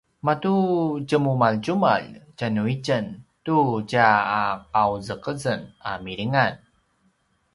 matu tjemumatjumalj tjanuitjen tu tja aqauzeqezen a milingan